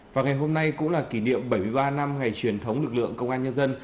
và ngày hôm nay cũng là kỷ niệm bảy mươi ba năm ngày truyền thống lực lượng công an nhân dân